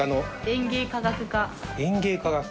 園芸科学科？